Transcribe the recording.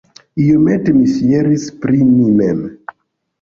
Iomete mi fieris pri mi mem!